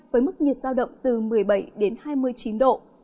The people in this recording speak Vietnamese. với mức nhiệt giao động từ một mươi bảy đến hai mươi chín độ